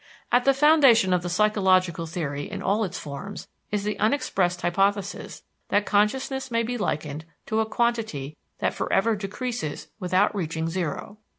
At the foundation of the psychological theory in all its forms is the unexpressed hypothesis that consciousness may be likened to a quantity that forever decreases without reaching zero.